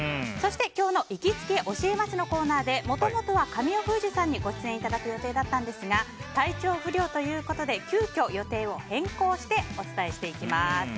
そして、今日の行きつけ教えます！のコーナーでもともとは神尾楓珠さんにご出演いただく予定だったんですが体調不良ということで急きょ予定を変更してお伝えします。